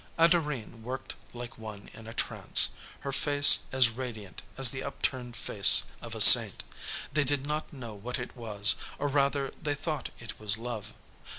Adorine worked like one in a trance, her face as radiant as the upturned face of a saint. They did not know what it was, or rather they thought it was love.